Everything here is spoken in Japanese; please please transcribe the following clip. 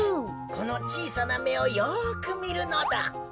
このちいさなめをよくみるのだ。